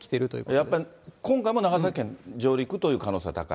やっぱり今回も長崎県上陸という可能性が高い？